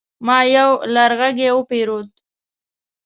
ما يو لرغږی وپيرود